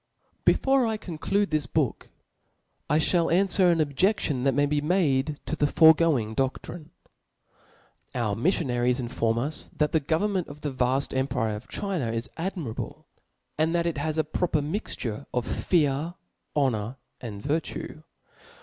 TDEFORE I conclude this book, I fhall anfwer ■' an objeftion that may be made to the fore going dodrine. Our miffionaries inform us that the government of the vaft empire of China is admirable, and that it has a proper mixture of fear, honor, and vir tue.